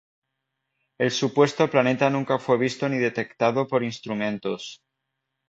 El supuesto planeta nunca fue visto ni detectado por instrumentos.